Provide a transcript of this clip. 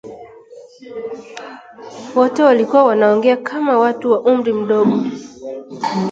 Wote walikuwa wanaongea kama watu wa umri mdogo